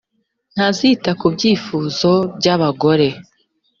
ntazita ku byifuzo by abagore